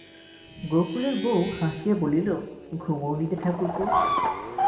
গোকুলের বউ হাসিয়া বলিল, ঘুমোও নি যে ঠাকুরপো?